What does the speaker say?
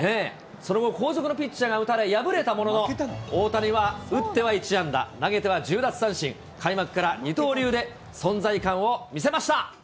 その後、後続のピッチャーが打たれ、敗れたものの、大谷は打っては１安打、投げては１０奪三振、開幕から二刀流で存在感を見せました。